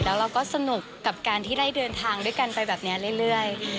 แล้วเราก็สนุกกับการที่ได้เดินทางด้วยกันไปแบบนี้เรื่อย